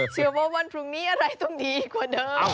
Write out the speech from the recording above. ว่าวันพรุ่งนี้อะไรต้องดีกว่าเดิม